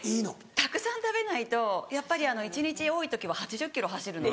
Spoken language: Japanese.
たくさん食べないとやっぱり一日多い時は８０ｋｍ走るので。